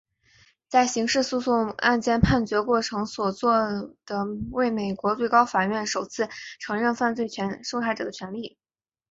在刑事诉讼案件判决过程所做的为美国最高法院首次承认犯罪受害者的权利。